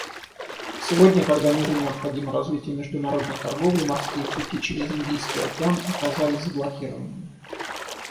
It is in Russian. Сегодня, когда миру необходимо развитие международной торговли, морские пути через Индийский океан оказались заблокированными.